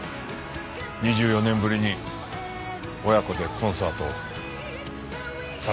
２４年ぶりに親子でコンサートを最後に。